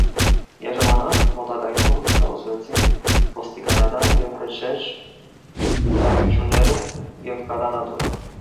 Միաժամանակ մոտակայքում կառուցվեցին ոստիկանական և հրշեջ ծառայությունները և կալանատունը։